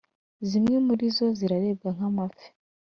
Zimwe muri zo ziraribwa nk’amafi